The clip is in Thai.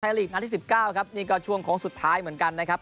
ลีกนัดที่๑๙ครับนี่ก็ช่วงโค้งสุดท้ายเหมือนกันนะครับ